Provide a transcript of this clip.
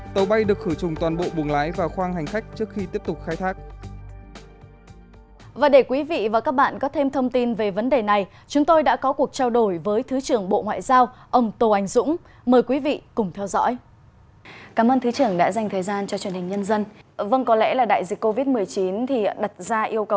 tàu bay được khử trùng toàn bộ buồng lái và khoang hành khách trước khi tiếp tục khai thác